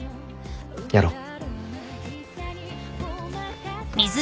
やろう。